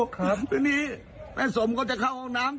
ตอนนี้แม่สมก็จะเข้าออกน้ำ